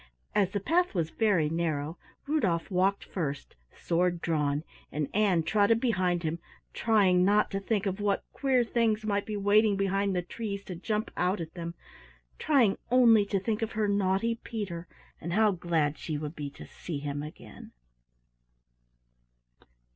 As the path was very narrow, Rudolf walked first, sword drawn, and Ann trotted behind him, trying not to think of what queer things might be waiting behind the trees to jump out at them, trying only to think of her naughty Peter, and how glad she would be to see him again.